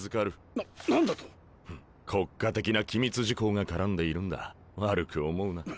な何だと⁉国家的な機密事項が絡んでいるんだ悪く思うな。